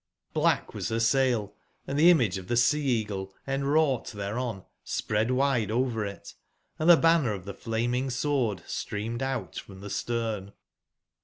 Black was her sail, and the image of the Sea/eagle en wrought thereon spread wide over it; and the banner of the flaming Sword streamed out from the stern.